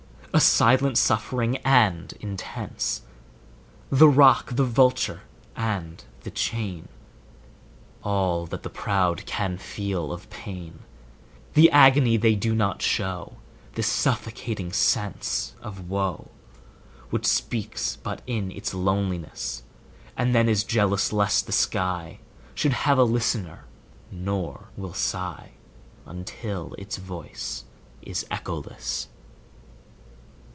A silent suffering, and intense; The rock, the vulture, and the chain, All that the proud can feel of pain, The agony they do not show, The suffocating sense of woe,10 Which speaks but in its loneliness, And then is jealous lest the sky Should have a listener, nor will sigh Until its voice is echoless.